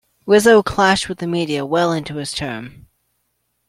Rizzo clashed with the media well into his term.